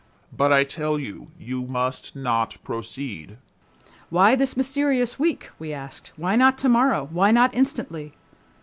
"But I tell you, you must not proceed." "Why this mysterious week?" we asked. "Why not tomorrow? Why not instantly?"